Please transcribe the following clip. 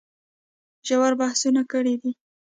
ژور بحثونه کړي دي